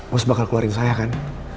mas bakal keluarin saya kan